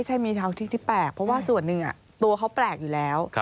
ใช่มีเท้าที่ที่แปลกเพราะว่าส่วนหนึ่งตัวเขาแปลกอยู่แล้ว